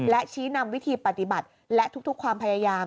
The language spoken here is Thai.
และชี้นำวิธีปฏิบัติและทุกความพยายาม